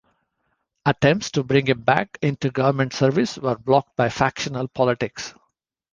Attempts to bring him back into government service were blocked by factional politics.